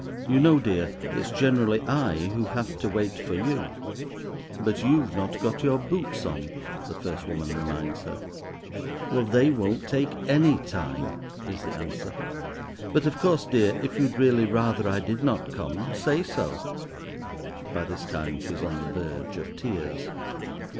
"You know, dear, it's generally I who have to wait for you." "But you've not got your boots on," the first woman reminds her. "Well, they won't take any time," is the answer. "But of course, dear, if you'd really rather I did not come, say so." By this time she is on the verge of tears.